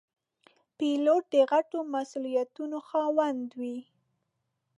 پیلوټ د غټو مسوولیتونو خاوند وي.